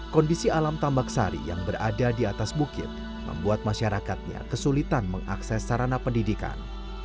kondisi alam tambak sari yang berada di atas bukit membuat masyarakatnya kesulitan mengakses sarana pendidikan